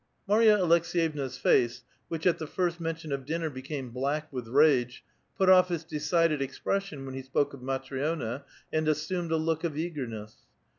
Marva Aleks^vevna's face, which at the first mention of dinner became black with rage, put off its decided expression when he siK)ke of Matri6na, and assumed a look of eagerness.